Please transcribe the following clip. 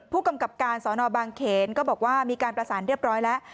ผู้กำกับการสอนอบางเขนก็บอกว่ามีการประสานเรียบร้อยแล้ว